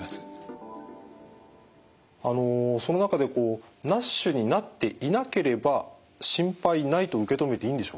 その中でＮＡＳＨになっていなければ心配ないと受け止めていいんでしょうか。